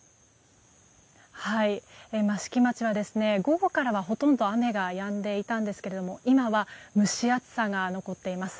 益城町は午後からはほとんど雨がやんでいたんですけども今は蒸し暑さが残っています。